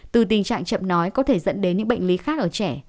từ tình trạng chậm nói có thể dẫn đến những bệnh lý khác ở trẻ